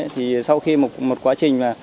thì sau khi một quá trình